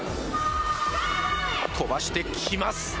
飛ばしてきます。